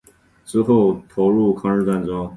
之后投入抗日战争。